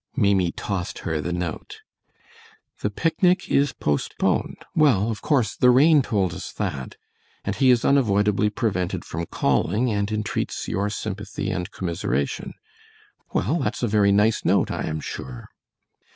Maimie tossed her the note. "The picnic is postponed. Well, of course the rain told us that; and he is unavoidably prevented from calling, and entreats your sympathy and commiseration. Well, that's a very nice note, I am sure."